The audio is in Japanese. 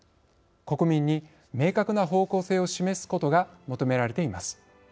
国民に明確な方向性を示すことが求められています。